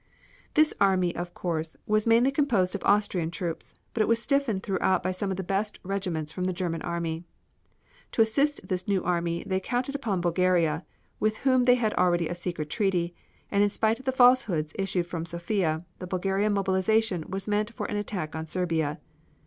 This army of course was mainly composed of Austrian troops, but was stiffened throughout by some of the best regiments from the German army. To assist this new army they counted upon Bulgaria, with whom they had already a secret treaty, and in spite of the falsehoods issued from Sofia, the Bulgarian mobilization was meant for an attack on Serbia.